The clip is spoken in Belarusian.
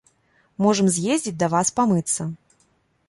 Можам з'ездзіць да вас памыцца.